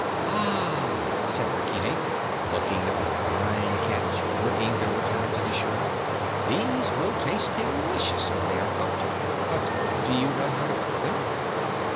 "Ah," said Rinkitink, looking at the fine catch when Inga returned to the shore; "these will taste delicious when they are cooked; but do you know how to cook them?"